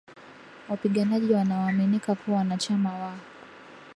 wapiganaji wanaoaminika kuwa wanachama wa